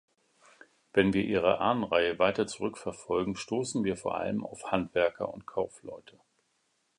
Wenn wir ihre Ahnenreihe weiter zurückverfolgen, stoßen wir vor allem auf Handwerker und Kaufleute.